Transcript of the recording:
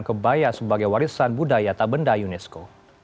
kebaya sebagai warisan budaya atau benda unesco